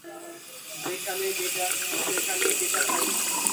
যেখানেই ডেটা, সেখানেই data science.